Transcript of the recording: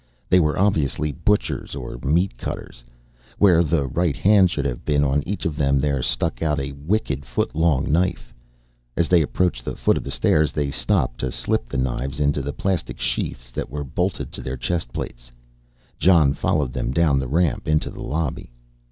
They were obviously butchers or meat cutters; where the right hand should have been on each of them there stuck out a wicked, foot long knife. As they approached the foot of the stairs they stopped to slip the knives into the plastic sheaths that were bolted to their chestplates. Jon followed them down the ramp into the lobby.